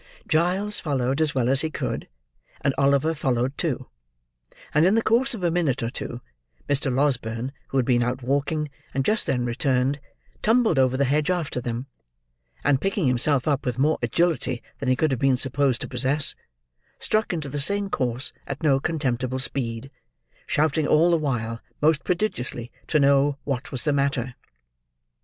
Giles followed as well as he could; and Oliver followed too; and in the course of a minute or two, Mr. Losberne, who had been out walking, and just then returned, tumbled over the hedge after them, and picking himself up with more agility than he could have been supposed to possess, struck into the same course at no contemptible speed, shouting all the while, most prodigiously, to know what was the matter.